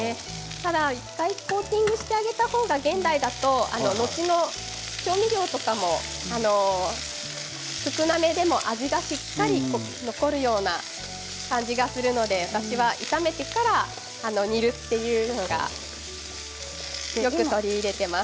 ただ１回コーティングしてあげた方が、現代だと後の調味料とかも少なめでも味がしっかり残るような感じがするので私は炒めてから煮るというのをよく取り入れています。